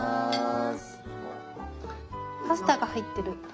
パスタが入ってる。